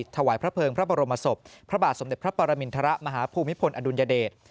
ถวายพระเภิงพระบรมศพพระบาทสมเด็จพระปรมินทรมาฮภูมิพลอดุลยเดช